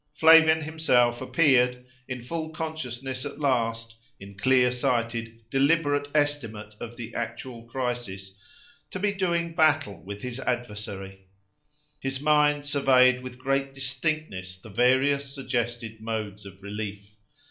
Flavian himself appeared, in full consciousness at last—in clear sighted, deliberate estimate of the actual crisis—to be doing battle with his adversary. His mind surveyed, with great distinctness, the various suggested modes of relief.